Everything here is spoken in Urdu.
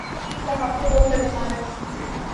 پیر صاحب نے دوگھر بنا رکھے ہیں۔